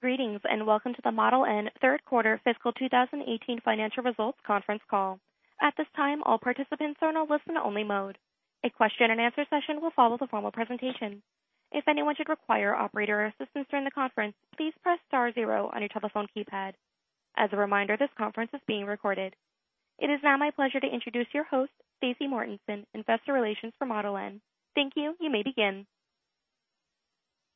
Greetings, and welcome to the Model N third quarter fiscal 2018 financial results conference call. At this time, all participants are in a listen-only mode. A question and answer session will follow the formal presentation. If anyone should require operator assistance during the conference, please press star zero on your telephone keypad. As a reminder, this conference is being recorded. It is now my pleasure to introduce your host, Staci Mortensen, investor relations for Model N. Thank you. You may begin.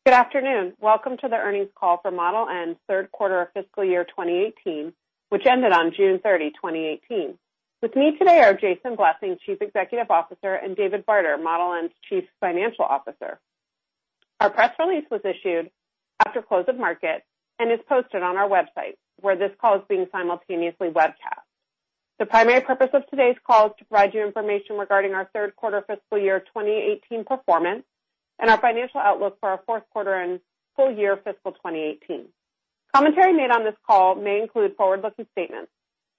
Good afternoon. Welcome to the earnings call for Model N's third quarter of fiscal year 2018, which ended on June 30, 2018. With me today are Jason Blessing, Chief Executive Officer, and David Barter, Model N's Chief Financial Officer. Our press release was issued after close of market and is posted on our website where this call is being simultaneously webcast. The primary purpose of today's call is to provide you information regarding our third quarter fiscal year 2018 performance and our financial outlook for our fourth quarter and full year fiscal 2018. Commentary made on this call may include forward-looking statements.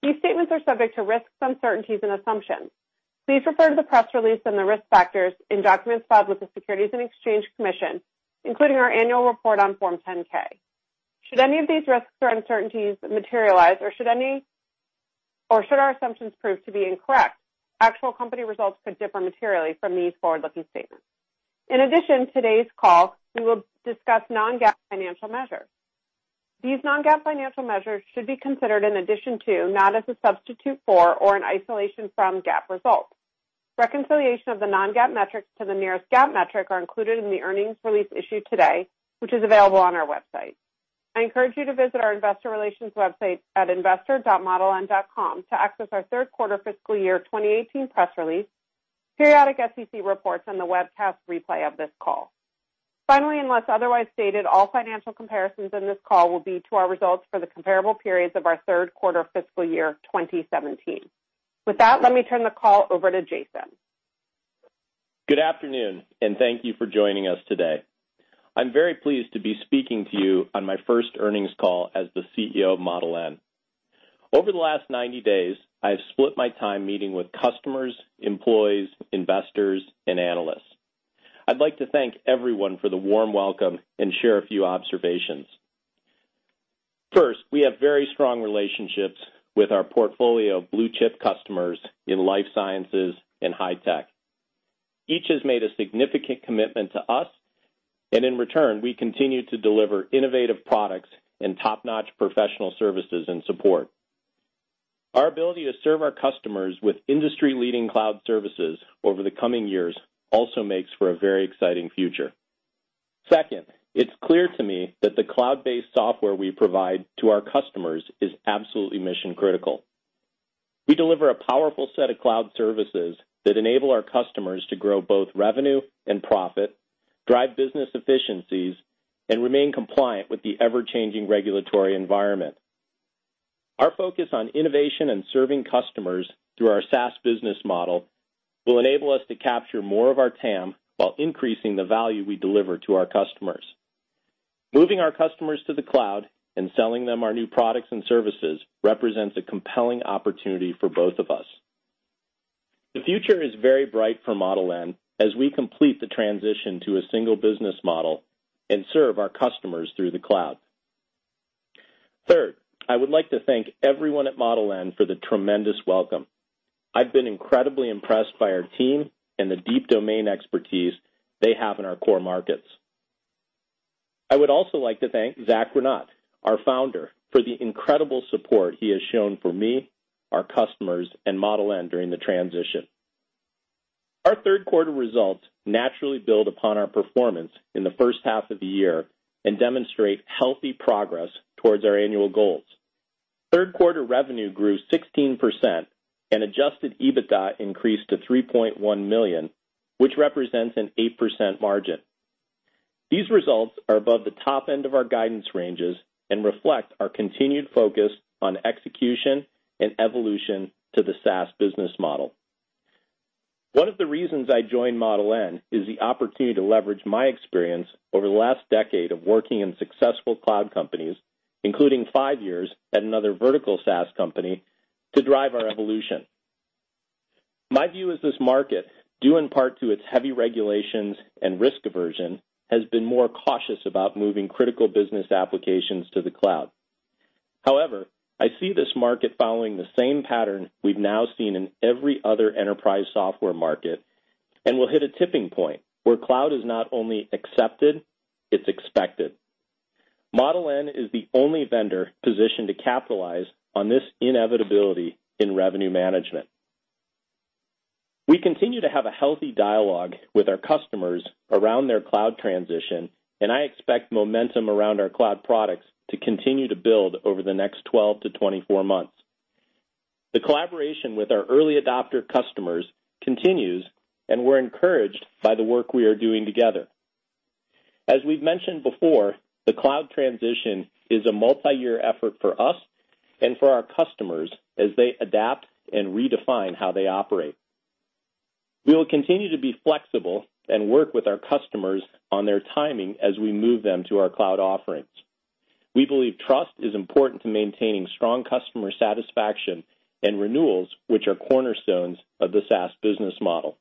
These statements are subject to risks, uncertainties, and assumptions. Please refer to the press release and the risk factors in documents filed with the Securities and Exchange Commission, including our annual report on Form 10-K. Should any of these risks or uncertainties materialize or should our assumptions prove to be incorrect, actual company results could differ materially from these forward-looking statements. In addition, today's call, we will discuss non-GAAP financial measures. These non-GAAP financial measures should be considered in addition to, not as a substitute for or an isolation from GAAP results. Reconciliation of the non-GAAP metrics to the nearest GAAP metric are included in the earnings release issued today, which is available on our website. I encourage you to visit our investor relations website at investor.modeln.com to access our third quarter fiscal year 2018 press release, periodic SEC reports, and the webcast replay of this call. Finally, unless otherwise stated, all financial comparisons in this call will be to our results for the comparable periods of our third quarter fiscal year 2017. With that, let me turn the call over to Jason. Good afternoon, and thank you for joining us today. I'm very pleased to be speaking to you on my first earnings call as the CEO of Model N. Over the last 90 days, I've split my time meeting with customers, employees, investors, and analysts. I'd like to thank everyone for the warm welcome and share a few observations. First, we have very strong relationships with our portfolio of blue-chip customers in life sciences and high tech. Each has made a significant commitment to us, and in return, we continue to deliver innovative products and top-notch professional services and support. Our ability to serve our customers with industry-leading cloud services over the coming years also makes for a very exciting future. Second, it's clear to me that the cloud-based software we provide to our customers is absolutely mission-critical. We deliver a powerful set of cloud services that enable our customers to grow both revenue and profit, drive business efficiencies, and remain compliant with the ever-changing regulatory environment. Our focus on innovation and serving customers through our SaaS business model will enable us to capture more of our TAM while increasing the value we deliver to our customers. Moving our customers to the cloud and selling them our new products and services represents a compelling opportunity for both of us. The future is very bright for Model N as we complete the transition to a single business model and serve our customers through the cloud. Third, I would like to thank everyone at Model N for the tremendous welcome. I've been incredibly impressed by our team and the deep domain expertise they have in our core markets. I would also like to thank Zack Rinat, our founder, for the incredible support he has shown for me, our customers, and Model N during the transition. Our third quarter results naturally build upon our performance in the first half of the year and demonstrate healthy progress towards our annual goals. Third quarter revenue grew 16%, and adjusted EBITDA increased to $3.1 million, which represents an 8% margin. These results are above the top end of our guidance ranges and reflect our continued focus on execution and evolution to the SaaS business model. One of the reasons I joined Model N is the opportunity to leverage my experience over the last decade of working in successful cloud companies, including five years at another vertical SaaS company, to drive our evolution. My view is this market, due in part to its heavy regulations and risk aversion, has been more cautious about moving critical business applications to the cloud. I see this market following the same pattern we've now seen in every other enterprise software market and will hit a tipping point where cloud is not only accepted, it's expected. Model N is the only vendor positioned to capitalize on this inevitability in revenue management. We continue to have a healthy dialogue with our customers around their cloud transition, and I expect momentum around our cloud products to continue to build over the next 12 to 24 months. The collaboration with our early adopter customers continues, and we're encouraged by the work we are doing together. As we've mentioned before, the cloud transition is a multi-year effort for us and for our customers as they adapt and redefine how they operate. We will continue to be flexible and work with our customers on their timing as we move them to our cloud offerings. We believe trust is important to maintaining strong customer satisfaction and renewals, which are cornerstones of the SaaS business model.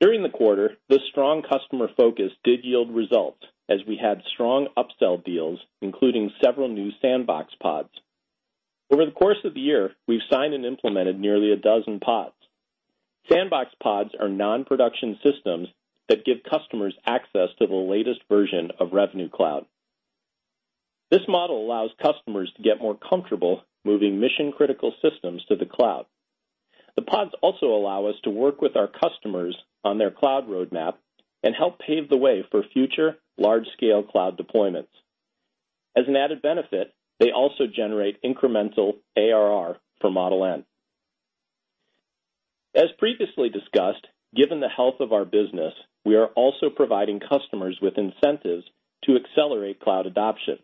During the quarter, the strong customer focus did yield results as we had strong upsell deals, including several new sandbox pods. Over the course of the year, we've signed and implemented nearly a dozen pods. Sandbox pods are non-production systems that give customers access to the latest version of Revenue Cloud. This model allows customers to get more comfortable moving mission-critical systems to the cloud. The pods also allow us to work with our customers on their cloud roadmap and help pave the way for future large-scale cloud deployments. As an added benefit, they also generate incremental ARR for Model N. As previously discussed, given the health of our business, we are also providing customers with incentives to accelerate cloud adoption.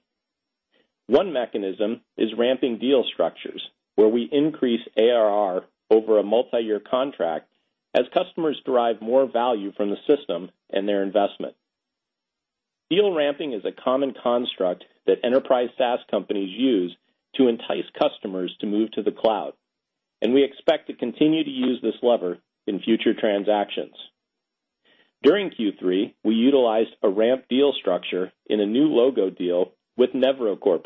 One mechanism is ramping deal structures, where we increase ARR over a multi-year contract as customers derive more value from the system and their investment. Deal ramping is a common construct that enterprise SaaS companies use to entice customers to move to the cloud. We expect to continue to use this lever in future transactions. During Q3, we utilized a ramp deal structure in a new logo deal with Nevro Corp.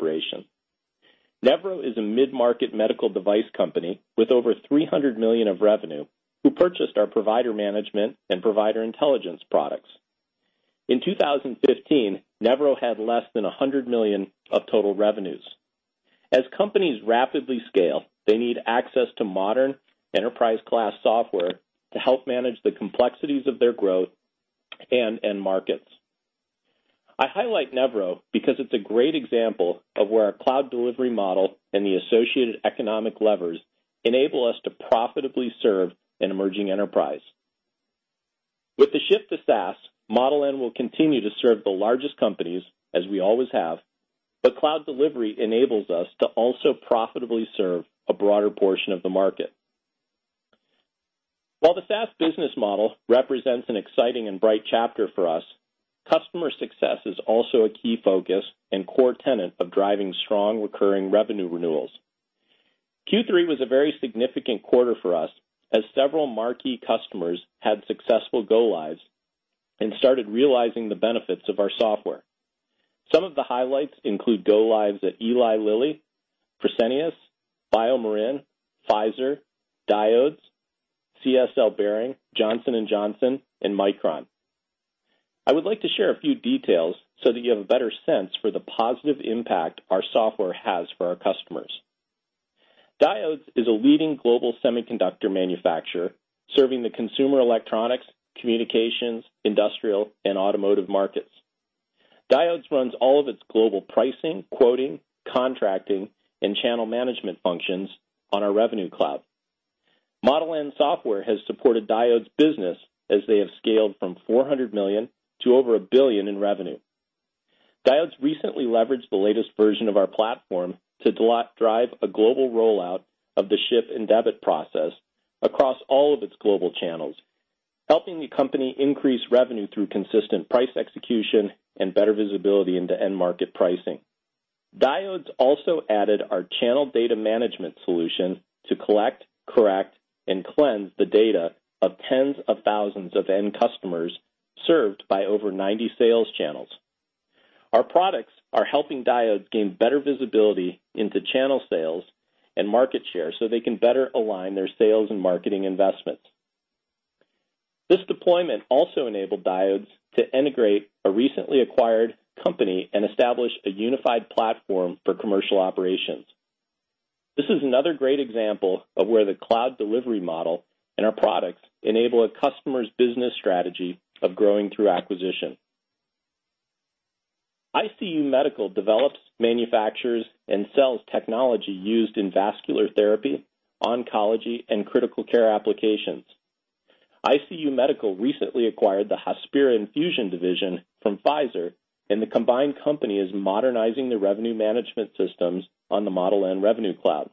Nevro is a mid-market medical device company with over $300 million of revenue who purchased our Provider Management and Provider Intelligence products. In 2015, Nevro had less than $100 million of total revenues. As companies rapidly scale, they need access to modern enterprise-class software to help manage the complexities of their growth and end markets. I highlight Nevro because it's a great example of where our cloud delivery model and the associated economic levers enable us to profitably serve an emerging enterprise. With the shift to SaaS, Model N will continue to serve the largest companies as we always have. Cloud delivery enables us to also profitably serve a broader portion of the market. While the SaaS business model represents an exciting and bright chapter for us, customer success is also a key focus and core tenant of driving strong recurring revenue renewals. Q3 was a very significant quarter for us as several marquee customers had successful go-lives and started realizing the benefits of our software. Some of the highlights include go-lives at Eli Lilly and Company, Fresenius, BioMarin Pharmaceutical Inc., Pfizer Inc., Diodes Incorporated, CSL Behring, Johnson & Johnson, and Micron Technology, Inc. I would like to share a few details so that you have a better sense for the positive impact our software has for our customers. Diodes Incorporated is a leading global semiconductor manufacturer serving the consumer electronics, communications, industrial, and automotive markets. Diodes runs all of its global pricing, quoting, contracting, and channel management functions on our Revenue Cloud. Model N software has supported Diodes business as they have scaled from $400 million to over $1 billion in revenue. Diodes recently leveraged the latest version of our platform to drive a global rollout of the ship and debit process across all of its global channels, helping the company increase revenue through consistent price execution and better visibility into end market pricing. Diodes also added our Channel Data Management solution to collect, correct, and cleanse the data of tens of thousands of end customers served by over 90 sales channels. Our products are helping Diodes gain better visibility into channel sales and market share so they can better align their sales and marketing investments. This deployment also enabled Diodes to integrate a recently acquired company and establish a unified platform for commercial operations. This is another great example of where the cloud delivery model and our products enable a customer's business strategy of growing through acquisition. ICU Medical, Inc. develops, manufactures, and sells technology used in vascular therapy, oncology, and critical care applications. ICU Medical, Inc. recently acquired the Hospira infusion division from Pfizer Inc. The combined company is modernizing their revenue management systems on the Model N Revenue Cloud.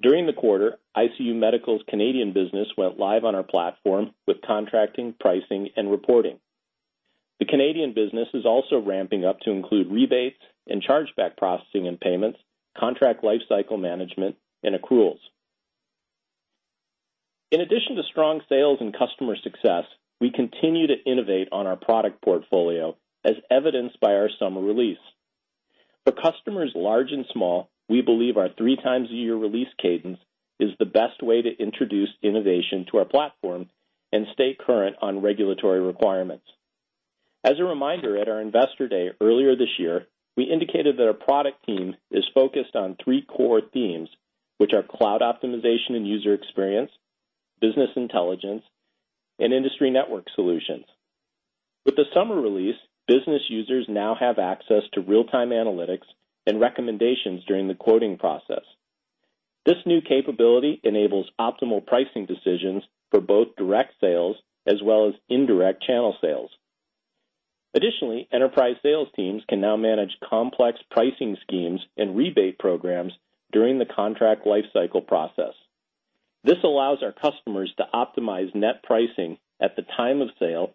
During the quarter, ICU Medical's Canadian business went live on our platform with contracting, pricing, and reporting. The Canadian business is also ramping up to include rebates and chargeback processing and payments, Contract Lifecycle Management, and accruals. In addition to strong sales and customer success, we continue to innovate on our product portfolio as evidenced by our summer release. For customers large and small, we believe our three times a year release cadence is the best way to introduce innovation to our platform and stay current on regulatory requirements. As a reminder, at our investor day earlier this year, we indicated that our product team is focused on three core themes, which are cloud optimization and user experience, business intelligence, and industry network solutions. With the summer release, business users now have access to real-time analytics and recommendations during the quoting process. This new capability enables optimal pricing decisions for both direct sales as well as indirect channel sales. Additionally, enterprise sales teams can now manage complex pricing schemes and rebate programs during the contract lifecycle process. This allows our customers to optimize net pricing at the time of sale,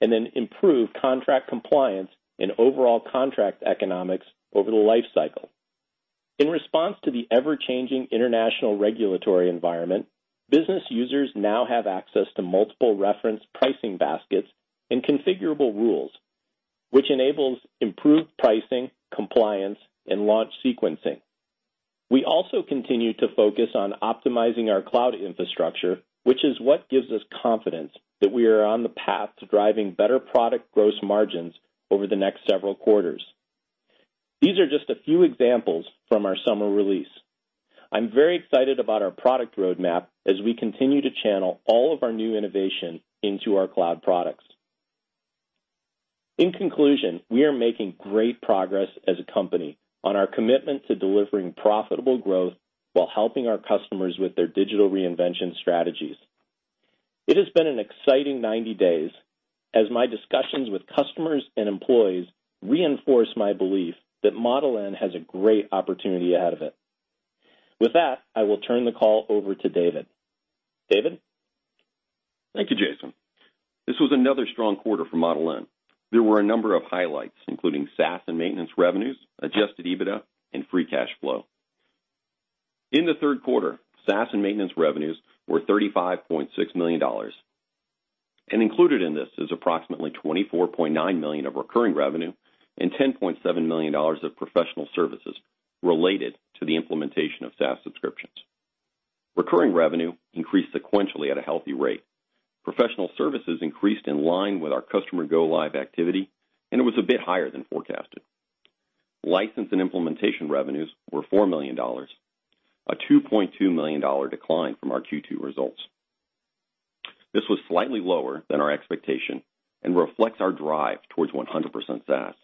then improve contract compliance and overall contract economics over the lifecycle. In response to the ever-changing international regulatory environment, business users now have access to multiple reference pricing baskets and configurable rules, which enables improved pricing, compliance, and launch sequencing. We also continue to focus on optimizing our cloud infrastructure, which is what gives us confidence that we are on the path to driving better product gross margins over the next several quarters. These are just a few examples from our summer release. I'm very excited about our product roadmap as we continue to channel all of our new innovation into our cloud products. In conclusion, we are making great progress as a company on our commitment to delivering profitable growth while helping our customers with their digital reinvention strategies. It has been an exciting 90 days as my discussions with customers and employees reinforce my belief that Model N has a great opportunity ahead of it. With that, I will turn the call over to David. David? Thank you, Jason. This was another strong quarter for Model N. There were a number of highlights, including SaaS and maintenance revenues, adjusted EBITDA, and free cash flow. In the third quarter, SaaS and maintenance revenues were $35.6 million, and included in this is approximately $24.9 million of recurring revenue and $10.7 million of professional services related to the implementation of SaaS subscriptions. Recurring revenue increased sequentially at a healthy rate. Professional services increased in line with our customer go-live activity, and it was a bit higher than forecasted. License and implementation revenues were $4 million, a $2.2 million decline from our Q2 results. This was slightly lower than our expectation and reflects our drive towards 100% SaaS.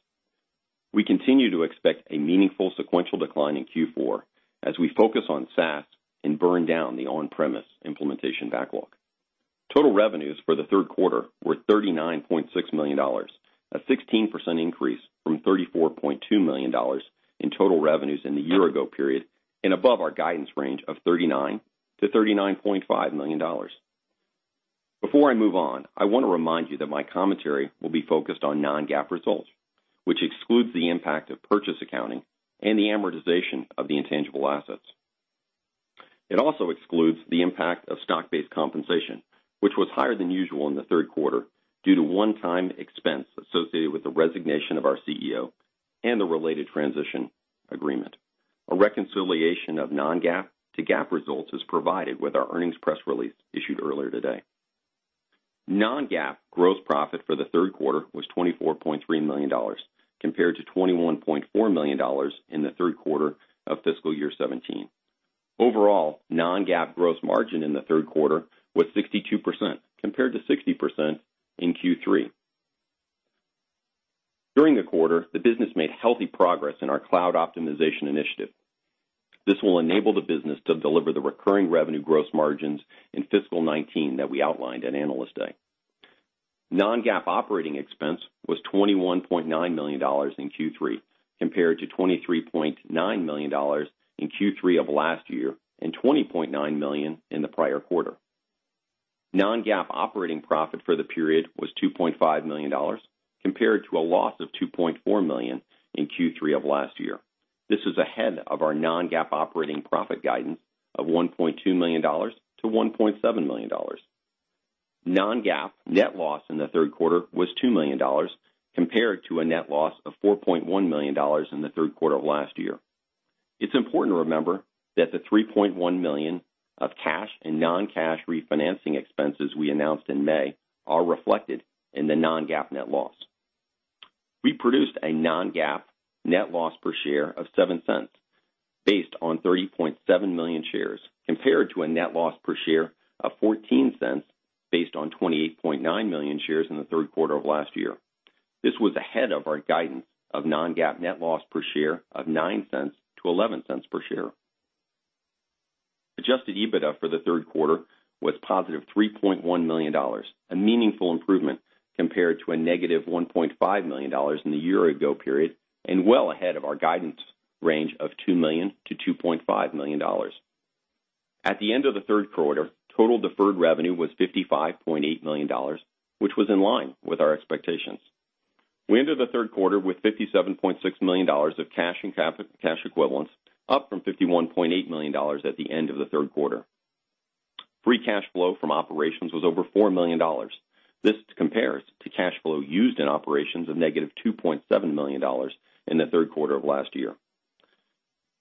We continue to expect a meaningful sequential decline in Q4 as we focus on SaaS and burn down the on-premise implementation backlog. Total revenues for the third quarter were $39.6 million, a 16% increase from $34.2 million in total revenues in the year-ago period, and above our guidance range of $39 million-$39.5 million. Before I move on, I want to remind you that my commentary will be focused on non-GAAP results, which excludes the impact of purchase accounting and the amortization of the intangible assets. It also excludes the impact of stock-based compensation, which was higher than usual in the third quarter due to one-time expense associated with the resignation of our CEO and the related transition agreement. A reconciliation of non-GAAP to GAAP results is provided with our earnings press release issued earlier today. Non-GAAP gross profit for the third quarter was $24.3 million, compared to $21.4 million in the third quarter of fiscal year 2017. Overall, non-GAAP gross margin in the third quarter was 62%, compared to 60% in Q3. During the quarter, the business made healthy progress in our cloud optimization initiative. This will enable the business to deliver the recurring revenue gross margins in fiscal 2019 that we outlined at Analyst Day. Non-GAAP operating expense was $21.9 million in Q3, compared to $23.9 million in Q3 of last year and $20.9 million in the prior quarter. Non-GAAP operating profit for the period was $2.5 million, compared to a loss of $2.4 million in Q3 of last year. This is ahead of our non-GAAP operating profit guidance of $1.2 million-$1.7 million. Non-GAAP net loss in the third quarter was $2 million, compared to a net loss of $4.1 million in the third quarter of last year. It's important to remember that the $3.1 million of cash and non-cash refinancing expenses we announced in May are reflected in the non-GAAP net loss. We produced a non-GAAP net loss per share of $0.07 based on 30.7 million shares, compared to a net loss per share of $0.14 based on 28.9 million shares in the third quarter of last year. This was ahead of our guidance of non-GAAP net loss per share of $0.09-$0.11 per share. Adjusted EBITDA for the third quarter was positive $3.1 million, a meaningful improvement compared to a negative $1.5 million in the year-ago period, and well ahead of our guidance range of $2 million-$2.5 million. At the end of the third quarter, total deferred revenue was $55.8 million, which was in line with our expectations. We ended the third quarter with $57.6 million of cash and cash equivalents, up from $51.8 million at the end of the third quarter. Free cash flow from operations was over $4 million. This compares to cash flow used in operations of negative $2.7 million in the third quarter of last year.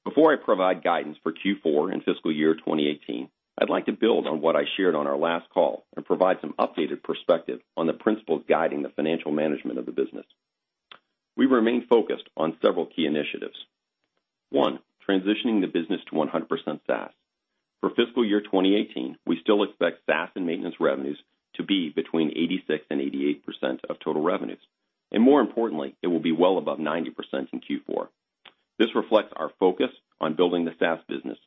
Before I provide guidance for Q4 and fiscal year 2018, I'd like to build on what I shared on our last call and provide some updated perspective on the principles guiding the financial management of the business. We remain focused on several key initiatives. One, transitioning the business to 100% SaaS. For fiscal year 2018, we still expect SaaS and maintenance revenues to be between 86%-88% of total revenues, and more importantly, it will be well above 90% in Q4. This reflects our focus on building the SaaS business.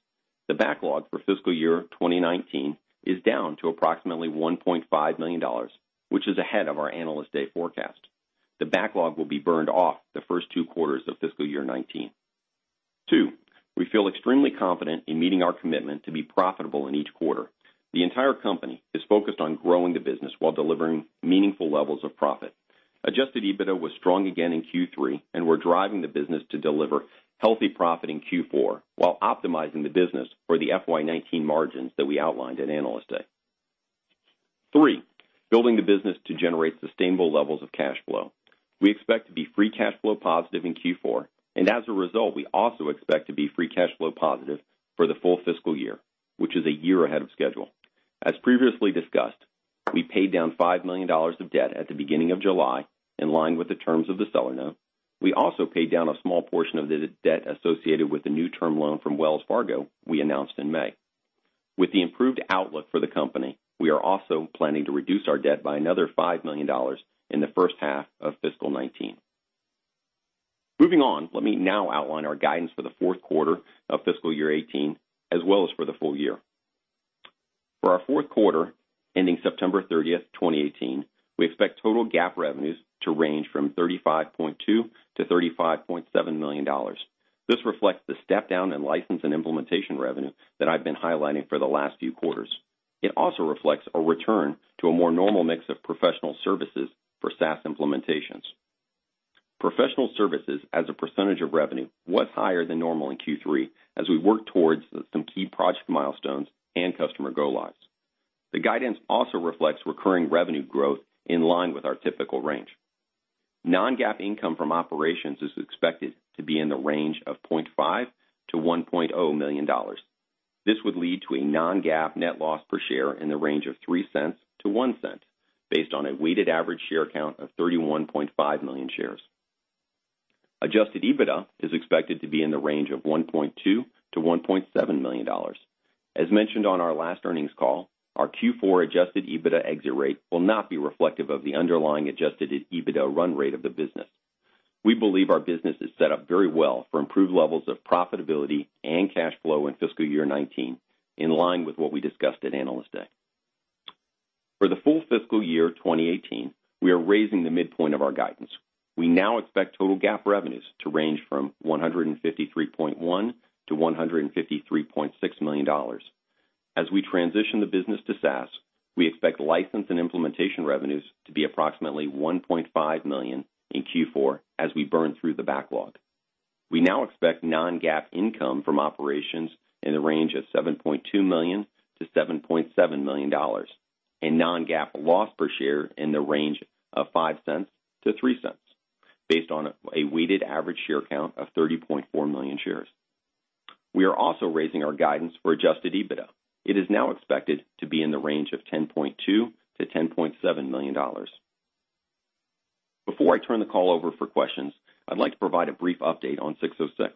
The backlog for fiscal year 2019 is down to approximately $1.5 million, which is ahead of our Analyst Day forecast. The backlog will be burned off the first two quarters of fiscal year 2019. Two, we feel extremely confident in meeting our commitment to be profitable in each quarter. The entire company is focused on growing the business while delivering meaningful levels of profit. Adjusted EBITDA was strong again in Q3, and we're driving the business to deliver healthy profit in Q4 while optimizing the business for the FY 2019 margins that we outlined at Analyst Day. Three, building the business to generate sustainable levels of cash flow. We expect to be free cash flow positive in Q4, and as a result, we also expect to be free cash flow positive for the full fiscal year, which is a year ahead of schedule. As previously discussed, we paid down $5 million of debt at the beginning of July, in line with the terms of the seller note. We also paid down a small portion of the debt associated with the new term loan from Wells Fargo we announced in May. With the improved outlook for the company, we are also planning to reduce our debt by another $5 million in the first half of fiscal 2019. Moving on, let me now outline our guidance for the fourth quarter of fiscal year 2018, as well as for the full year. For our fourth quarter ending September 30th, 2018, we expect total GAAP revenues to range from $35.2 million to $35.7 million. This reflects the step-down in license and implementation revenue that I've been highlighting for the last few quarters. It also reflects a return to a more normal mix of professional services for SaaS implementations. Professional services as a percentage of revenue was higher than normal in Q3 as we worked towards some key project milestones and customer go-lives. The guidance also reflects recurring revenue growth in line with our typical range. Non-GAAP income from operations is expected to be in the range of $0.5 million to $1.0 million. This would lead to a non-GAAP net loss per share in the range of $0.03 to $0.01 based on a weighted average share count of 31.5 million shares. Adjusted EBITDA is expected to be in the range of $1.2 million to $1.7 million. As mentioned on our last earnings call, our Q4 adjusted EBITDA exit rate will not be reflective of the underlying adjusted EBITDA run rate of the business. We believe our business is set up very well for improved levels of profitability and cash flow in fiscal year 2019, in line with what we discussed at Analyst Day. For the full fiscal year 2018, we are raising the midpoint of our guidance. We now expect total GAAP revenues to range from $153.1 million to $153.6 million. As we transition the business to SaaS, we expect license and implementation revenues to be approximately $1.5 million in Q4 as we burn through the backlog. We now expect non-GAAP income from operations in the range of $7.2 million to $7.7 million, and non-GAAP loss per share in the range of $0.05 to $0.03 based on a weighted average share count of 30.4 million shares. We are also raising our guidance for adjusted EBITDA. It is now expected to be in the range of $10.2 million to $10.7 million. Before I turn the call over for questions, I'd like to provide a brief update on 606.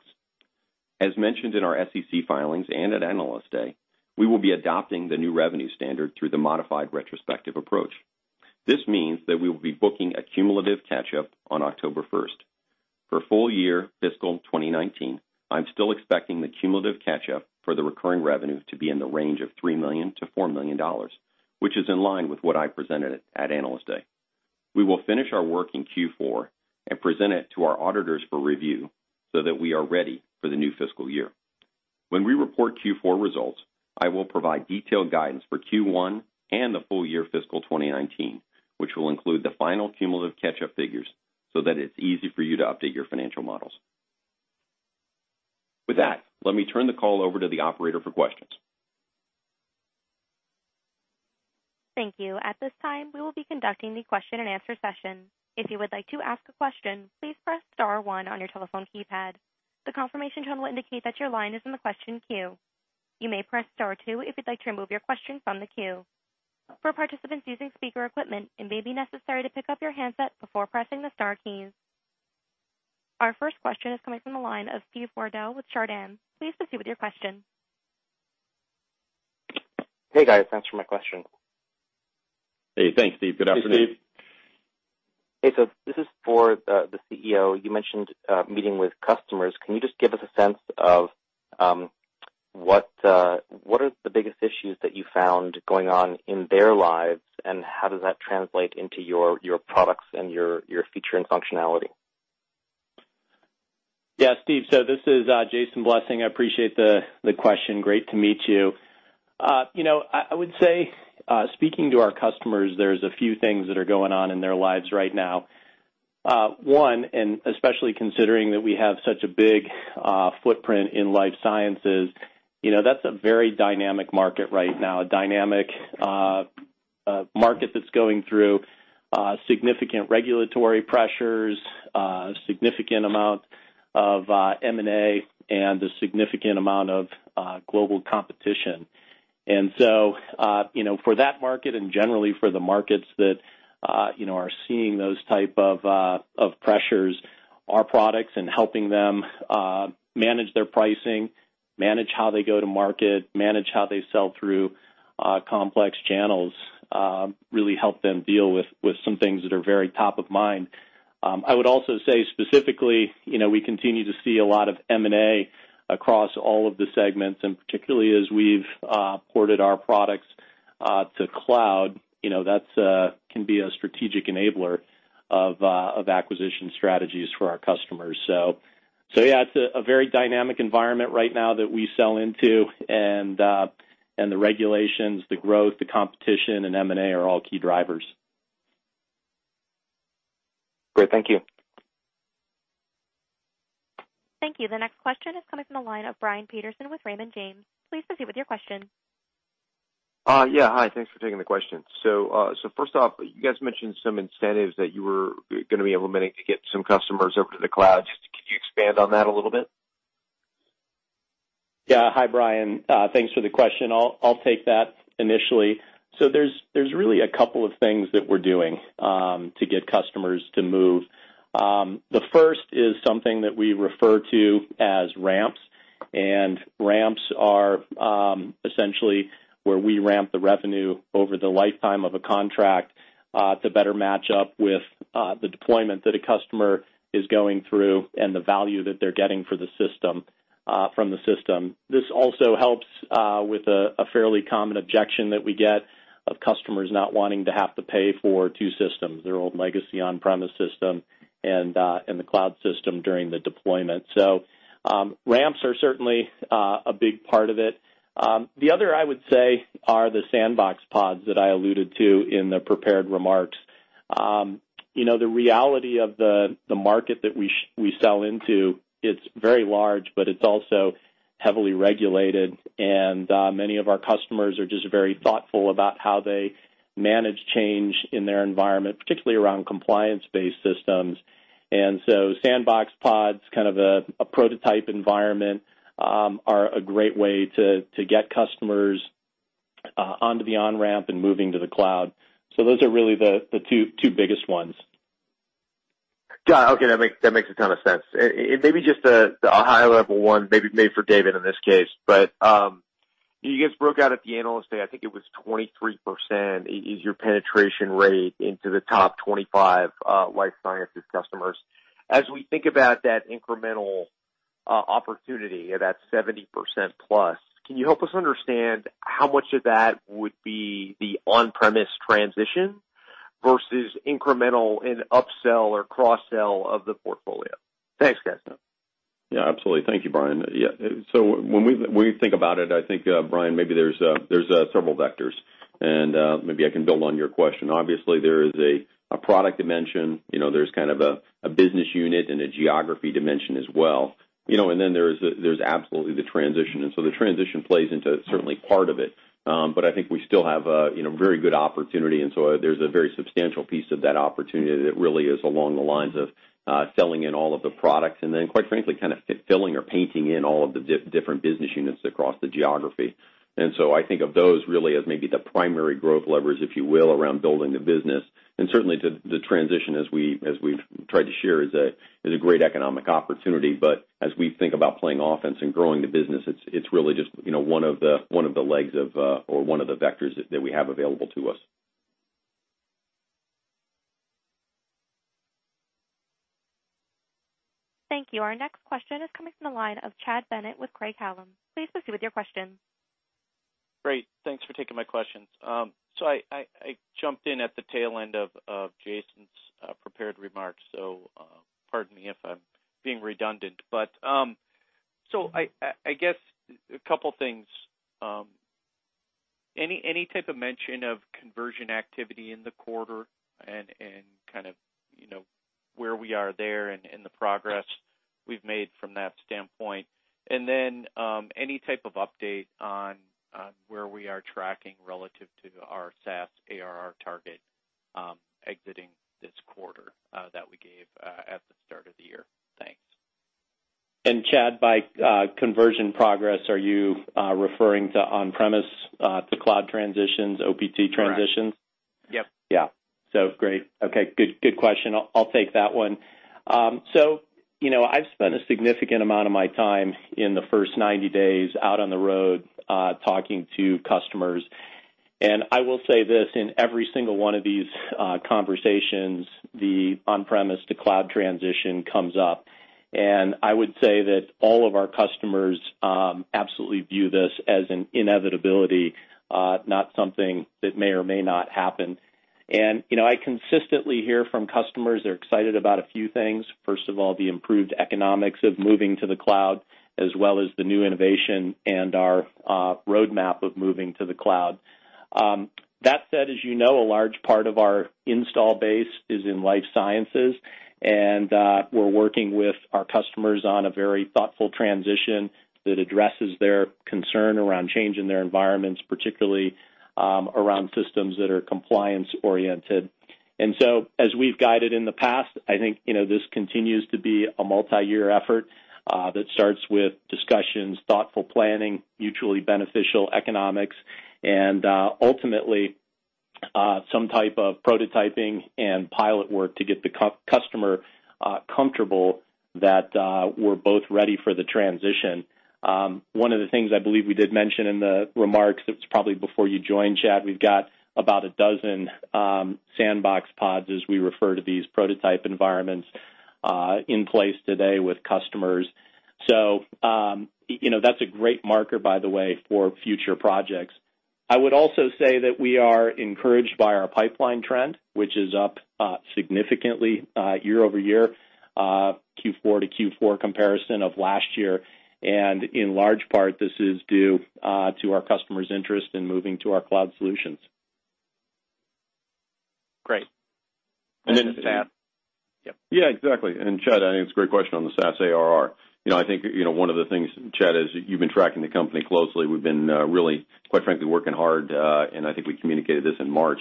As mentioned in our SEC filings and at Analyst Day, we will be adopting the new revenue standard through the modified retrospective approach. This means that we will be booking a cumulative catch-up on October 1st. For full year fiscal 2019, I'm still expecting the cumulative catch-up for the recurring revenue to be in the range of $3 million-$4 million, which is in line with what I presented at Analyst Day. We will finish our work in Q4 and present it to our auditors for review so that we are ready for the new fiscal year. When we report Q4 results, I will provide detailed guidance for Q1 and the full year fiscal 2019, which will include the final cumulative catch-up figures so that it's easy for you to update your financial models. With that, let me turn the call over to the operator for questions. Thank you. At this time, we will be conducting the question and answer session. If you would like to ask a question, please press *1 on your telephone keypad. The confirmation tone will indicate that your line is in the question queue. You may press *2 if you'd like to remove your question from the queue. For participants using speaker equipment, it may be necessary to pick up your handset before pressing the star keys. Our first question is coming from the line of Steven Wardell with Chardan. Please proceed with your question. Hey, guys. Thanks for my question. Hey, thanks, Steve. Good afternoon. Hey, Steve. Hey, this is for the CEO. You mentioned meeting with customers. Can you just give us a sense of what are the biggest issues that you found going on in their lives, and how does that translate into your products and your feature and functionality? Yeah, Steve, this is Jason Blessing. I appreciate the question. Great to meet you. I would say, speaking to our customers, there's a few things that are going on in their lives right now. One, and especially considering that we have such a big footprint in life sciences, that's a very dynamic market right now, a dynamic market that's going through significant regulatory pressures, a significant amount of M&A, and a significant amount of global competition. For that market and generally for the markets that are seeing those type of pressures, our products and helping them manage their pricing, manage how they go to market, manage how they sell through complex channels, really help them deal with some things that are very top of mind. I would also say specifically, we continue to see a lot of M&A across all of the segments, and particularly as we've ported our products to cloud. That can be a strategic enabler of acquisition strategies for our customers. Yeah, it's a very dynamic environment right now that we sell into, and the regulations, the growth, the competition, and M&A are all key drivers. Great. Thank you. Thank you. The next question is coming from the line of Brian Peterson with Raymond James. Please proceed with your question. Hi. Thanks for taking the question. First off, you guys mentioned some incentives that you were going to be implementing to get some customers over to the cloud. Could you expand on that a little bit? Hi, Brian. Thanks for the question. I'll take that initially. There's really a couple of things that we're doing to get customers to move. The first is something that we refer to as ramps. Ramps are essentially where we ramp the revenue over the lifetime of a contract to better match up with the deployment that a customer is going through and the value that they're getting from the system. This also helps with a fairly common objection that we get of customers not wanting to have to pay for two systems, their old legacy on-premise system and the cloud system during the deployment. Ramps are certainly a big part of it. The other, I would say, are the sandbox pods that I alluded to in the prepared remarks. The reality of the market that we sell into, it's very large, but it's also heavily regulated, and many of our customers are just very thoughtful about how they manage change in their environment, particularly around compliance-based systems. Sandbox pods, kind of a prototype environment, are a great way to get customers onto the on-ramp and moving to the cloud. Those are really the two biggest ones. Got it. Okay. That makes a ton of sense. Maybe just a high-level one, maybe made for David in this case, you guys broke out at the Analyst Day, I think it was 23% is your penetration rate into the top 25 life sciences customers. As we think about that incremental opportunity, that 70%+, can you help us understand how much of that would be the on-premise transition versus incremental in upsell or cross-sell of the portfolio? Thanks, guys. Absolutely. Thank you, Brian. When we think about it, I think, Brian, maybe there's several vectors, and maybe I can build on your question. Obviously, there is a product dimension. There's kind of a business unit and a geography dimension as well. There's absolutely the transition. The transition plays into certainly part of it. I think we still have a very good opportunity, there's a very substantial piece of that opportunity that really is along the lines of selling in all of the products and then, quite frankly, kind of filling or painting in all of the different business units across the geography. I think of those really as maybe the primary growth levers, if you will, around building the business. Certainly, the transition, as we've tried to share, is a great economic opportunity. As we think about playing offense and growing the business, it's really just one of the legs of or one of the vectors that we have available to us. Thank you. Our next question is coming from the line of Chad Bennett with Craig-Hallum. Please proceed with your question. Great. Thanks for taking my questions. I jumped in at the tail end of Jason's prepared remarks, so pardon me if I'm being redundant. I guess a couple things. Any type of mention of conversion activity in the quarter and kind of where we are there and the progress we've made from that standpoint? Any type of update on where we are tracking relative to our SaaS ARR target exiting this quarter that we gave at the start of the year? Thanks. Chad, by conversion progress, are you referring to on-premise to cloud transitions, OPT transitions? Correct. Yep. Yeah. Great. Okay. Good question. I'll take that one. I've spent a significant amount of my time in the first 90 days out on the road talking to customers. I will say this, in every single one of these conversations, the on-premise to cloud transition comes up. I would say that all of our customers absolutely view this as an inevitability, not something that may or may not happen. I consistently hear from customers, they're excited about a few things. First of all, the improved economics of moving to the cloud, as well as the new innovation and our roadmap of moving to the cloud. That said, as you know, a large part of our install base is in life sciences, and we're working with our customers on a very thoughtful transition that addresses their concern around change in their environments, particularly around systems that are compliance-oriented. As we've guided in the past, I think this continues to be a multi-year effort that starts with discussions, thoughtful planning, mutually beneficial economics, and ultimately, some type of prototyping and pilot work to get the customer comfortable that we're both ready for the transition. One of the things I believe we did mention in the remarks, it was probably before you joined, Chad, we've got about a dozen sandbox pods, as we refer to these prototype environments, in place today with customers. That's a great marker, by the way, for future projects. I would also say that we are encouraged by our pipeline trend, which is up significantly year-over-year, Q4 to Q4 comparison of last year. In large part, this is due to our customers' interest in moving to our Cloud solutions. Great. SaaS. Yeah, exactly. Chad, I think it's a great question on the SaaS ARR. I think one of the things, Chad, is you've been tracking the company closely. We've been really, quite frankly, working hard. I think we communicated this in March.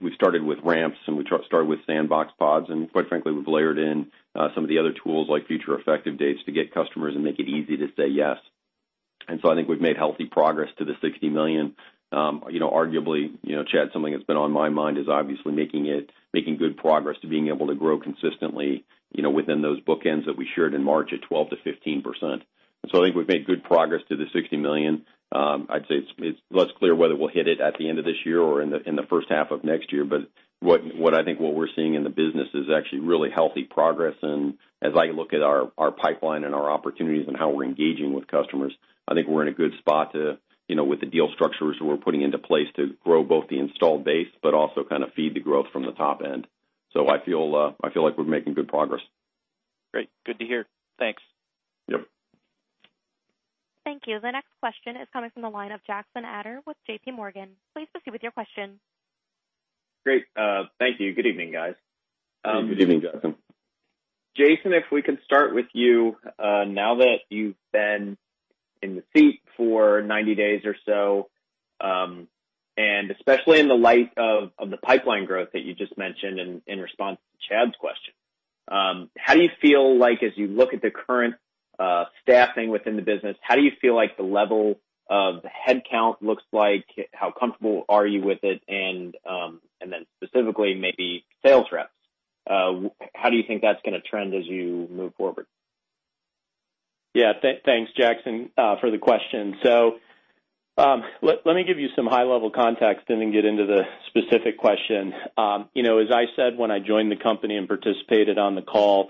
We started with ramps, we started with sandbox pods, quite frankly, we've layered in some of the other tools like future effective dates to get customers and make it easy to say yes. I think we've made healthy progress to the $60 million. Arguably, Chad, something that's been on my mind is obviously making good progress to being able to grow consistently within those bookends that we shared in March at 12%-15%. I think we've made good progress to the $60 million. I'd say it's less clear whether we'll hit it at the end of this year or in the first half of next year, what I think what we're seeing in the business is actually really healthy progress. As I look at our pipeline and our opportunities and how we're engaging with customers, I think we're in a good spot with the deal structures we're putting into place to grow both the installed base, but also kind of feed the growth from the top end. I feel like we're making good progress. Great. Good to hear. Thanks. Yep. Thank you. The next question is coming from the line of Jackson Ader with JP Morgan. Please proceed with your question. Great. Thank you. Good evening, guys. Good evening, Jackson. Jason, if we can start with you. Now that you've been in the seat for 90 days or so, especially in the light of the pipeline growth that you just mentioned in response to Chad's question. As you look at the current staffing within the business, how do you feel like the level of the headcount looks like? How comfortable are you with it? Then specifically, maybe sales reps. How do you think that's going to trend as you move forward? Thanks, Jackson, for the question. Let me give you some high-level context and then get into the specific question. As I said, when I joined the company and participated on the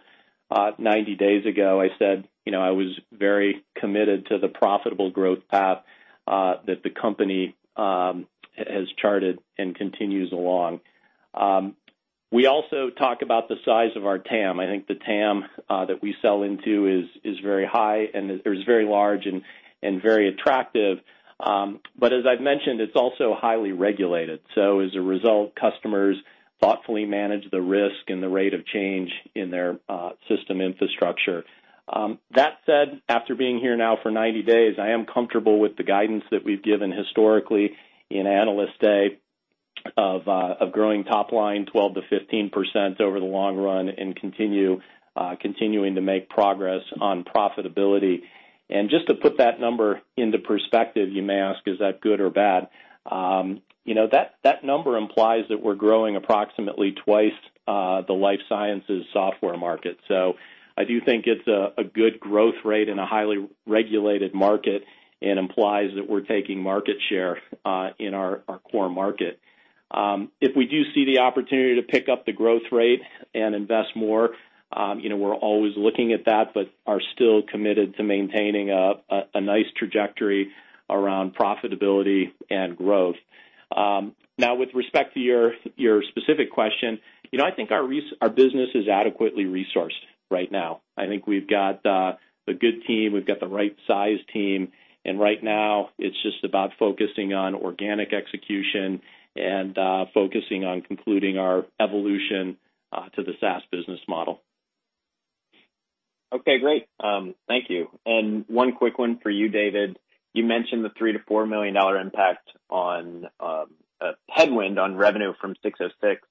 call 90 days ago, I said I was very committed to the profitable growth path that the company has charted and continues along. We also talk about the size of our TAM. I think the TAM that we sell into is very large and very attractive. As I've mentioned, it's also highly regulated. As a result, customers thoughtfully manage the risk and the rate of change in their system infrastructure. That said, after being here now for 90 days, I am comfortable with the guidance that we've given historically in Analyst Day of growing top line 12%-15% over the long run and continuing to make progress on profitability. Just to put that number into perspective, you may ask, is that good or bad? That number implies that we're growing approximately twice the life sciences software market. I do think it's a good growth rate in a highly regulated market and implies that we're taking market share in our core market. If we do see the opportunity to pick up the growth rate and invest more, we're always looking at that, but are still committed to maintaining a nice trajectory around profitability and growth. Now, with respect to your specific question, I think our business is adequately resourced right now. I think we've got a good team. We've got the right size team, and right now it's just about focusing on organic execution and focusing on concluding our evolution to the SaaS business model. Okay, great. Thank you. One quick one for you, David. You mentioned the $3 million-$4 million impact on headwind on revenue from 606.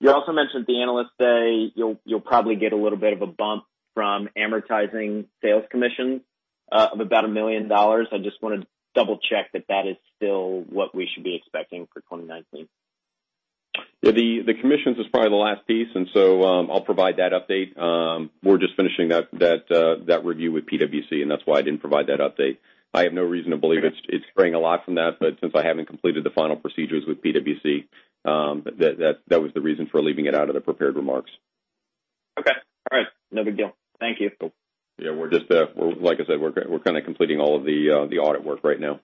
You also mentioned at the Analyst Day, you'll probably get a little bit of a bump from amortizing sales commissions of about $1 million. I just wanted to double-check that that is still what we should be expecting for 2019. Yeah. The commissions is probably the last piece, and so I'll provide that update. We're just finishing that review with PwC, and that's why I didn't provide that update. I have no reason to believe it's straying a lot from that, but since I haven't completed the final procedures with PwC, that was the reason for leaving it out of the prepared remarks. Okay. All right. No big deal. Thank you. Yeah. Like I said, we're kind of completing all of the audit work right now.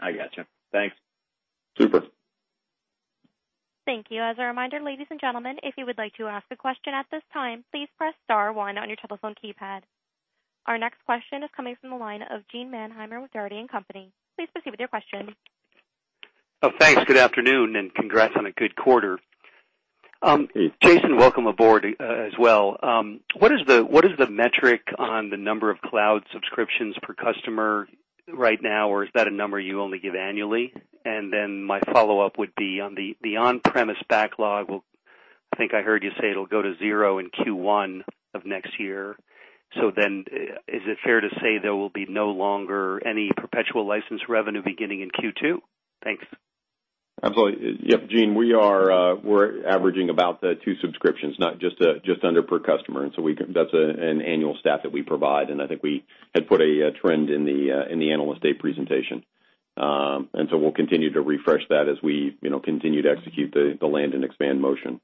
I got you. Thanks. Super. Thank you. As a reminder, ladies and gentlemen, if you would like to ask a question at this time, please press star one on your telephone keypad. Our next question is coming from the line of Gene Munster with Loup Ventures. Please proceed with your question. Thanks. Good afternoon, and congrats on a good quarter. Jason, welcome aboard as well. What is the metric on the number of cloud subscriptions per customer right now, or is that a number you only give annually? Is it fair to say there will be no longer any perpetual license revenue beginning in Q2? Thanks. Absolutely. Yep, Gene, we're averaging about two subscriptions, just under per customer. That's an annual stat that we provide, and I think we had put a trend in the Analyst Day presentation. We'll continue to refresh that as we continue to execute the land and expand motion.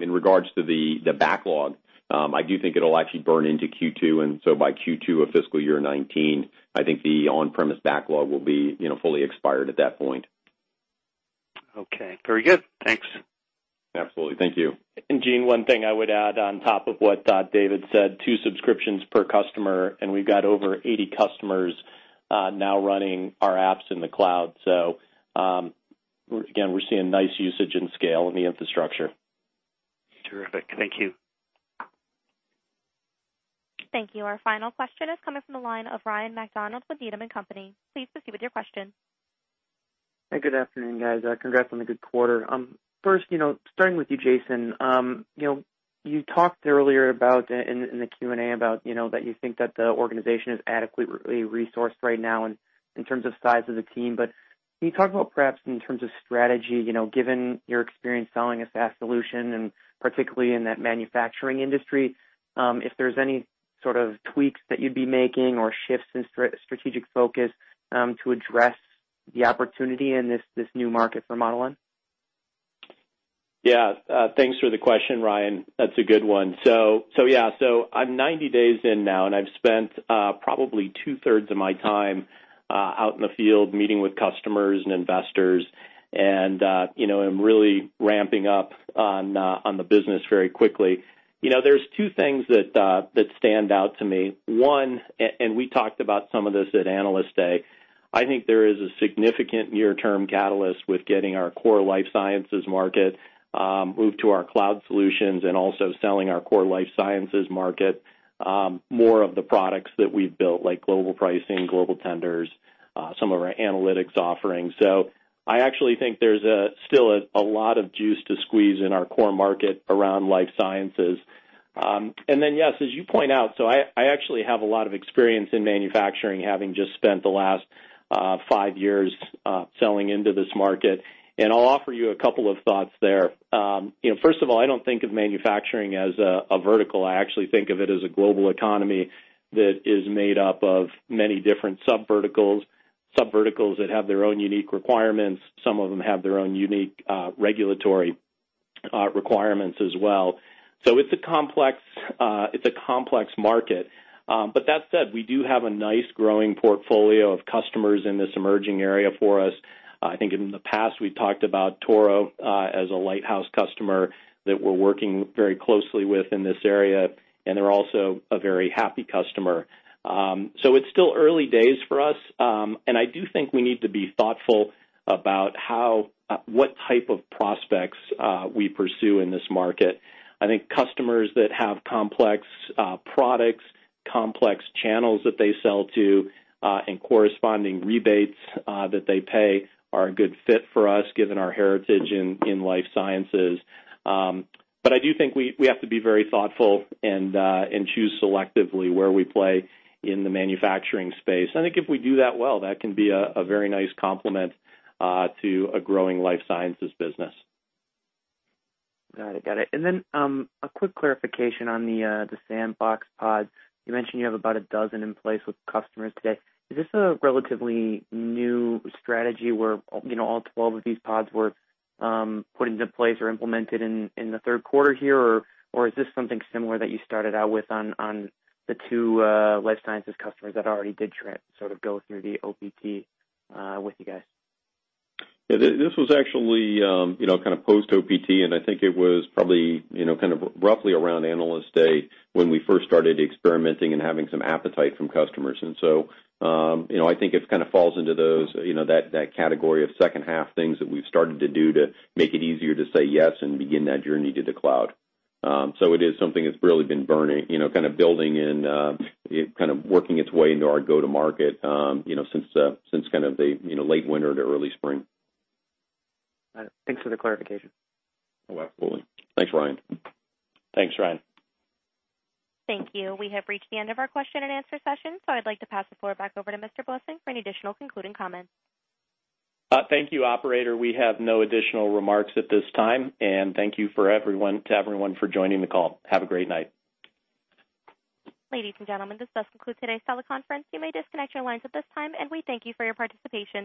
In regards to the backlog, I do think it'll actually burn into Q2, and by Q2 of fiscal year 2019, I think the on-premise backlog will be fully expired at that point. Okay. Very good. Thanks. Absolutely. Thank you. Gene, one thing I would add on top of what David said, two subscriptions per customer, and we've got over 80 customers now running our apps in the cloud. Again, we're seeing nice usage and scale in the infrastructure. Terrific. Thank you. Thank you. Our final question is coming from the line of Ryan MacDonald with Needham & Company. Please proceed with your question. Hi, good afternoon, guys. Congrats on the good quarter. First, starting with you, Jason, you talked earlier in the Q&A about that you think that the organization is adequately resourced right now in terms of size of the team. Can you talk about perhaps in terms of strategy, given your experience selling a SaaS solution, and particularly in that manufacturing industry, if there's any sort of tweaks that you'd be making or shifts in strategic focus to address the opportunity in this new market for Model N? Yeah. Thanks for the question, Ryan. That's a good one. Yeah. I'm 90 days in now, and I've spent probably two-thirds of my time out in the field, meeting with customers and investors and I'm really ramping up on the business very quickly. There's two things that stand out to me. One, we talked about some of this at Analyst Day, I think there is a significant near-term catalyst with getting our core life sciences market moved to our cloud solutions and also selling our core life sciences market more of the products that we've built, like Global Pricing, Global Tenders, some of our analytics offerings. I actually think there's still a lot of juice to squeeze in our core market around life sciences. Yes, as you point out, I actually have a lot of experience in manufacturing, having just spent the last five years selling into this market. I'll offer you a couple of thoughts there. First of all, I don't think of manufacturing as a vertical. I actually think of it as a global economy that is made up of many different subverticals. Subverticals that have their own unique requirements. Some of them have their own unique regulatory requirements as well. It's a complex market. That said, we do have a nice growing portfolio of customers in this emerging area for us. I think in the past, we've talked about Toro as a lighthouse customer that we're working very closely with in this area, and they're also a very happy customer. It's still early days for us. I do think we need to be thoughtful about what type of prospects we pursue in this market. I think customers that have complex products, complex channels that they sell to, and corresponding rebates that they pay are a good fit for us, given our heritage in life sciences. I do think we have to be very thoughtful and choose selectively where we play in the manufacturing space. I think if we do that well, that can be a very nice complement to a growing life sciences business. Got it. A quick clarification on the sandbox pods. You mentioned you have about a dozen in place with customers today. Is this a relatively new strategy where all 12 of these pods were put into place or implemented in the third quarter here, or is this something similar that you started out with on the two life sciences customers that already did sort of go through the OPT with you guys? Yeah. This was actually kind of post-OPT, I think it was probably kind of roughly around Analyst Day when we first started experimenting and having some appetite from customers. I think it kind of falls into that category of second half things that we've started to do to make it easier to say yes and begin that journey to the cloud. It is something that's really been building and kind of working its way into our go-to market since the late winter to early spring. Got it. Thanks for the clarification. Absolutely. Thanks, Ryan. Thanks, Ryan. Thank you. We have reached the end of our question and answer session. I'd like to pass the floor back over to Mr. Blessing for any additional concluding comments. Thank you, operator. We have no additional remarks at this time. Thank you to everyone for joining the call. Have a great night. Ladies and gentlemen, this does conclude today's teleconference. You may disconnect your lines at this time. We thank you for your participation.